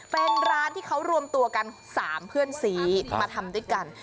เป็นร้านที่เขารวมตัวกัน๓เพื่อนสีมาทำด้วยกัน